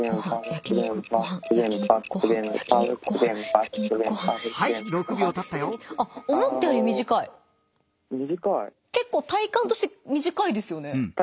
けっこう体感として短いですよね。